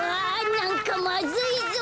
なんかまずいぞ！